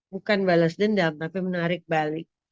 bukan balas dendam tapi menarik balik